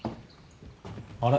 あれ？